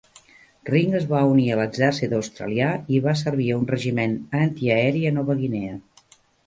Ring es va unir a l'exèrcit australià i va servir a un regiment antiaeri a Nova Guinea.